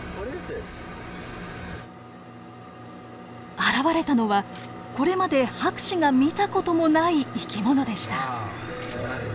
現れたのはこれまで博士が見た事もない生き物でした。